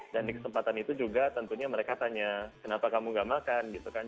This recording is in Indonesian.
dan di kesempatan itu juga tentunya mereka tanya kenapa kamu nggak makan